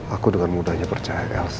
aku dengan mudahnya percaya ke elsa